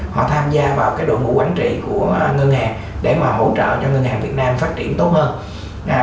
họ tham gia vào cái đội ngũ quản trị của ngân hàng để mà hỗ trợ cho ngân hàng việt nam phát triển tốt hơn